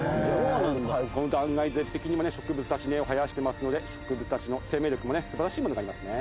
この断崖絶壁にもね植物たち根を生やしてますので植物たちの生命力もね素晴らしいものがありますね。